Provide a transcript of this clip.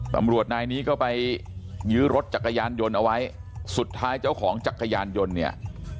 ตำรวจนายนี้ก็ไปยื้อรถจักรยานยนต์เอาไว้สุดท้ายเจ้าของจักรยานยนต์เนี่ย